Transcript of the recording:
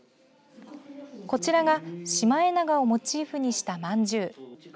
こちらがシマエナガをモチーフにしたまんじゅう。